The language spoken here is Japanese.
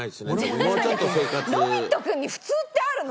ロビットくんに普通ってあるの？